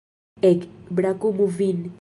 Ek, brakumu vin!